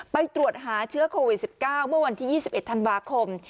ไปตรวจหาเชื้อโควิด๑๙เมื่อวันที่๒๑ธันวาคม